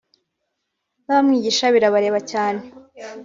n’abamwigisha birabareba cyane